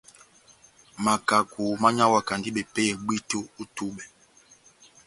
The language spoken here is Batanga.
Makaku mányawakandi bepéyɛ bwíto ó tubɛ.